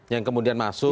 yang kemudian masuk